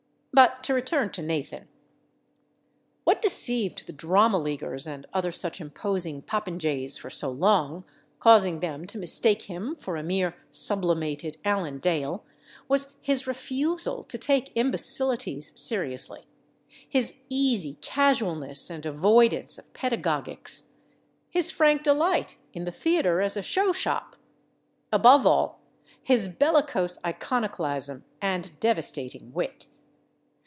But to return to Nathan. What deceived the Drama Leaguers and other such imposing popinjays for so long, causing them to mistake him for a mere sublimated Alan Dale, was his refusal to take imbecilities seriously, his easy casualness and avoidance of pedagogics, his frank delight in the theater as a show shop—above all, his bellicose iconoclasm and devastating wit.